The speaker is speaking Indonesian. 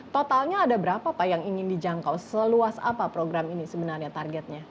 totalnya ada berapa pak yang ingin dijangkau seluas apa program ini sebenarnya targetnya